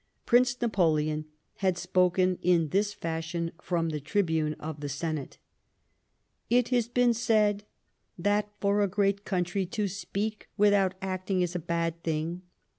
Prince Napoleon had spoken in this fashion from the tribune of the Senate :" It has been said that for a great country to speak without acting is a bad thing.